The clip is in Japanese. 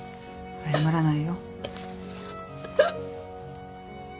謝らない。